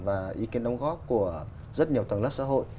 và ý kiến đóng góp của rất nhiều tầng lớp xã hội